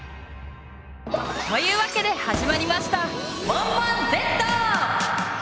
というわけで始まりました「モンモンＺ」！